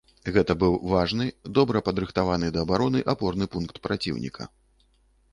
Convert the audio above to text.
Гэта быў важны, добра падрыхтаваны да абароны апорны пункт праціўніка.